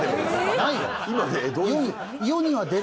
ないよ。